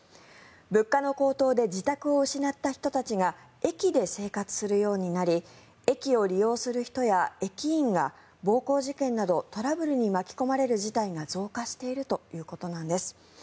物価の高騰で自宅を失った人たちが駅で生活するようになり駅を利用する人や駅員が暴行事件などトラブルに巻き込まれる事態が増加しているということなんです。